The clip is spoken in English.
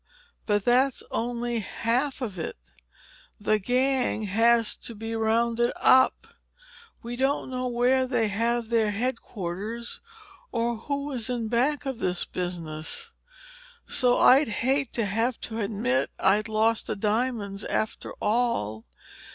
But that's only half of it. The gang has got to be rounded up. We don't know where they have their headquarters or who is in back of this business. So I'd hate to have to admit I'd lost the diamonds, after all."